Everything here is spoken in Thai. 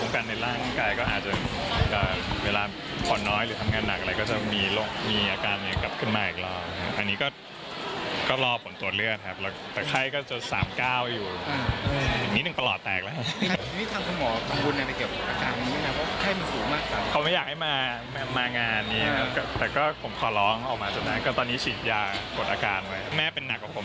พี่น้องออกมาจากนั้นก็ตอนนี้ฉีดยากดอาการมาแม่เป็นหนักกับผม